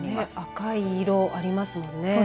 赤い色ありますもんね。